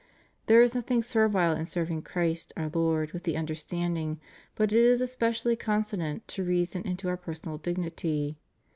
There is nothing servile in serving Christ our Lord with the understanding, but it is especially con sonant to reason and to our personal dignity.